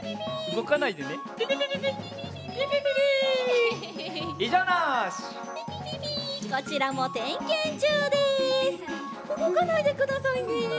うごかないでくださいね。